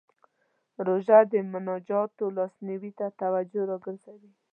روژه د محتاجانو لاسنیوی ته توجه راګرځوي.